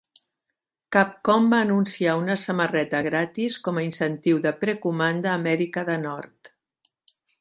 Capcom va anunciar una samarreta gratis com a incentiu de precomanda a Amèrica de Nord.